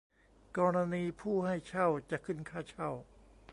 กรณีผู้ให้เช่าจะขึ้นค่าเช่า